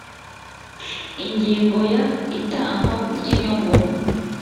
ingingo ya itangwa ry inyungu